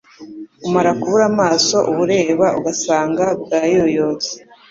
umara kubura amaso ubureba ugasanga bwayoyotse